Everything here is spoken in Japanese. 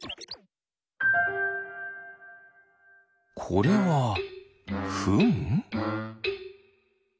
これはフン？